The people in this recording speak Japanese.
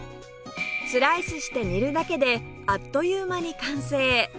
スライスして煮るだけであっという間に完成！